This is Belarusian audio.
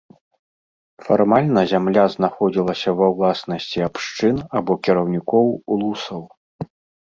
Фармальна зямля знаходзілася ва ўласнасці абшчын або кіраўнікоў улусаў.